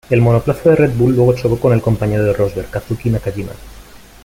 El monoplaza de Red Bull luego chocó con el compañero de Rosberg, Kazuki Nakajima.